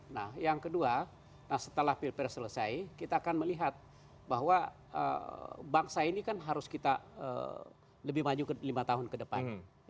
nah yang kedua setelah pilpres selesai kita akan melihat bahwa bangsa ini kan harus kita lebih maju ke lima tahun ke depan